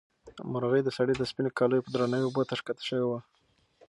مرغۍ د سړي د سپینې کالیو په درناوي اوبو ته ښکته شوې وه.